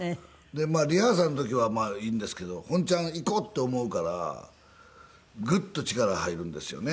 でリハーサルの時はまあいいんですけど本ちゃんいこうって思うからグッと力が入るんですよね。